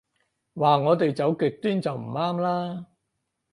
話我哋走極端就唔啱啦